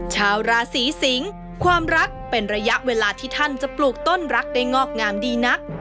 ชาวราศีสิงความรักเป็นระยะเวลาที่ท่านจะปลูกต้นรักได้งอกงามดีนัก